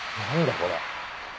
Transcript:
これ。